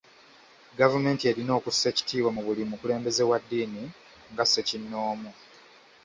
Gavumenti erina okussa ekitiibwa mu buli mukulembeze wa ddiini nga ssekinoomu.